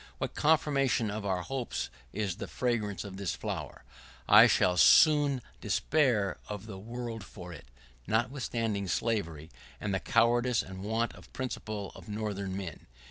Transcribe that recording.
What confirmation of our hopes is in the fragrance of this flower! I shall not so soon despair of the world for it, notwithstanding slavery, and the cowardice and want of principle of Northern men.